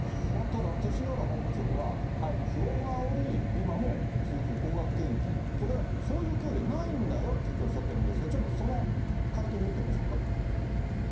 ただ、勅使河原本部長は、不安をあおり、今も続く高額献金、これは、そういう教義はないんだよっておっしゃってるんですが、ちょっとその会見見てみましょうか。